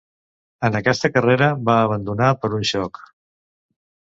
En aquesta carrera va abandonar per un xoc.